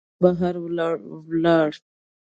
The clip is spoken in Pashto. اولادونه بهر ولاړ.